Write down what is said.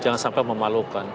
jangan sampai memalukan